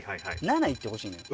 ７行ってほしいのよ。